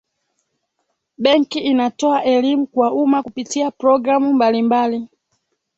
benki inatoa elimu kwa umma kupitia programu mbalimbali